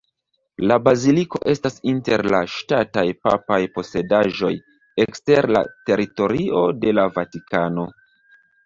La baziliko estas inter la "ŝtataj papaj posedaĵoj ekster la teritorio de la Vatikano".